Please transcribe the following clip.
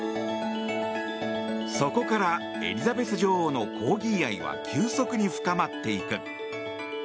そこからエリザベス女王のコーギー愛は急速に深まっていく。